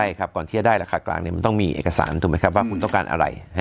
ใช่ครับก่อนที่จะได้ราคากลางเนี่ยมันต้องมีเอกสารว่าคุณต้องการอะไร